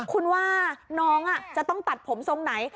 คุณว่าน้องจะต้องตัดผมทรงไหน